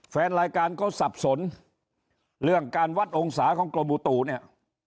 แฟนรายการเขาสับสนเรื่องการวัดองศาของกรมอุตุเนี่ย